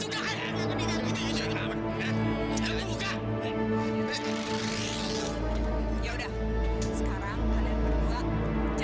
ini tugas negara bang